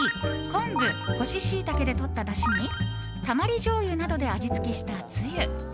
昆布干しシイタケでとっただしにたまりじょうゆなどで味付けしたつゆ。